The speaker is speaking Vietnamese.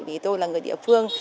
vì tôi là người địa phương